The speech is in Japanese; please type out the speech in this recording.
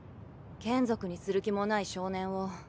眷属にする気もない少年を。